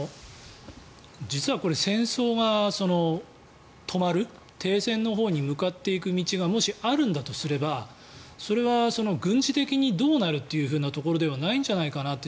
実は、戦争が止まる停戦のほうに向かっていく道がもしあるんだとすれば、それは軍事的にどうなるってところではないんじゃないかなって